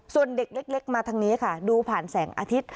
ส่วนเด็กเล็กมาทางนี้ค่ะดูผ่านแสงอาทิตย์